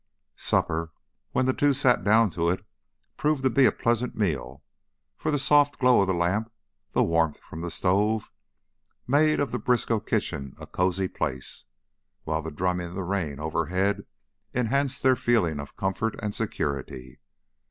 Supper, when the two sat down to it, proved to be a pleasant meal, for the soft glow of the lamp, the warmth from the stove, made of the Briskow kitchen a cozy place, while the drumming of the rain overhead enhanced their feeling of comfort and security.